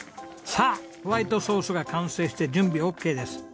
さあホワイトソースが完成して準備オーケーです。